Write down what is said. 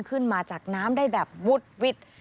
ขึ้นมาจากน้ำได้แบบวุดวิด